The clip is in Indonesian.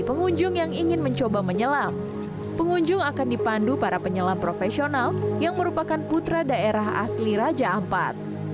pengunjung yang ingin mencoba menyelam pengunjung akan dipandu para penyelam profesional yang merupakan putra daerah asli raja ampat